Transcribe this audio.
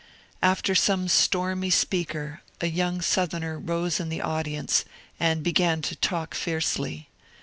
After some stormy speaker a young Southerner rose in the audience and began to talk fiercely.